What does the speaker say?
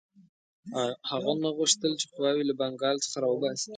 هغه نه غوښتل قواوې له بنګال څخه را وباسي.